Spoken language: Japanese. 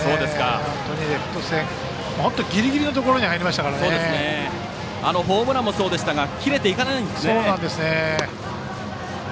本当にレフト線ぎりぎりのところにあのホームランもそうでしたが切れていかないんですね。